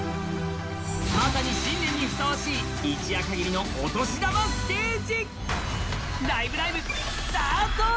まさに新年にふさわしい、一夜かぎりのお年玉ステージ。